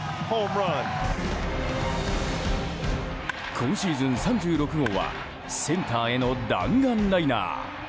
今シーズン３６号はセンターへの弾丸ライナー。